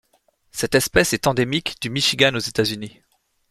Cette espèce est endémique du Michigan aux États-Unis.